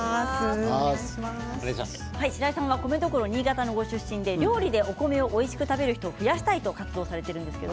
しらいさんは米どころ新潟のご出身でお料理でお米をおいしく食べる人を増やしたいと活動されています。